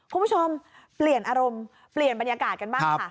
คุณผู้ชมเปลี่ยนอารมณ์เปลี่ยนบรรยากาศกันบ้างค่ะ